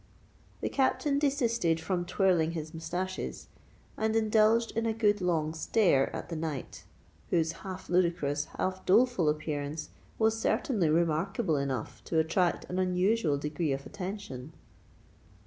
The Captain desisted from twirling his moustaches, and indulged in a good long stare at the knight, whose half ludicrous, half doleful appearance was certainly remarkable enough to attract an unusual degree of attention.